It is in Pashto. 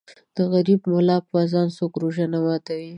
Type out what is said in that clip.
د غریب ملا په اذان څوک روژه نه ماتوي.